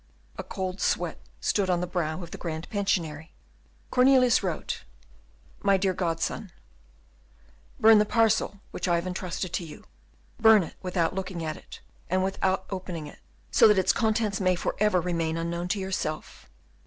A cold sweat stood on the brow of the Grand Pensionary. Cornelius wrote: "My dear Godson, "Burn the parcel which I have intrusted to you. Burn it without looking at it, and without opening it, so that its contents may for ever remain unknown to yourself.